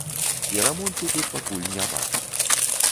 І рамонту тут пакуль не бачна.